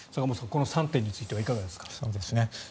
この３点についてはいかがですか。